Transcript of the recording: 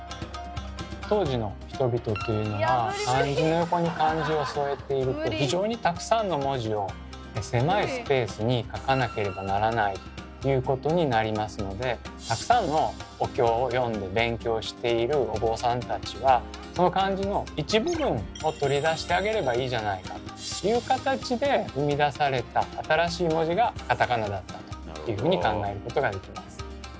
当時の人々というのは漢字の横に漢字を添えていると非常にたくさんの文字を狭いスペースに書かなければならないということになりますのでたくさんのお経を読んで勉強しているお坊さんたちはその漢字の一部分を取り出してあげればいいじゃないかという形で生み出された新しい文字がカタカナだったというふうに考えることができます。